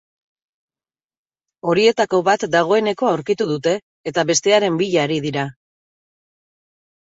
Horietako bat dagoeneko aurkitu dute, eta bestearen bila ari dira.